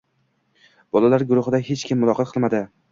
Bolalar guruhida hech kim muloqot qilmadi.